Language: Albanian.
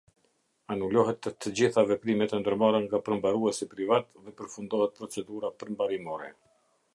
Anulohet të gjitha veprimet e ndërmarra nga përmbaruesi privat dhe përfundohet procedura përmbarimore.